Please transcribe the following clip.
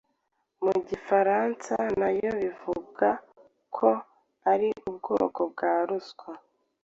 mu gifaransa, nayo bivugwa ko ari ubwoko bwa ruswa,